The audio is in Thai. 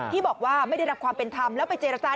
ที่บอกว่าไม่ได้รับความเป็นธรรมแล้วไปเจรจา